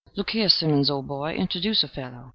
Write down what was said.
"Look here, Simmons, old boy, introduce a fellow."